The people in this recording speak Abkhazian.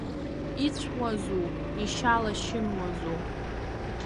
Ицәуазу ишьалашьынуазу?!